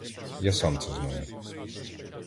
Я сам це знаю.